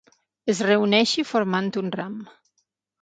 Es reuneixi formant un ram.